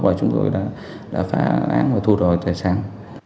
và chúng tôi đã phá án và thu đòi tài sản